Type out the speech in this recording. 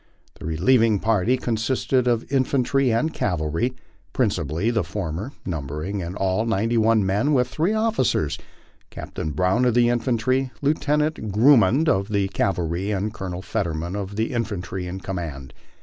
The relieving party consisted of infantry and cavalry, principally the former, numbering in all ninety one men with three officers Captain Brown of the infantry, Lieutenant Grummond of the cavalry, and Colonel Fetterman of the infantry in command.